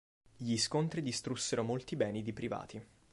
Gli scontri distrussero molti beni di privati.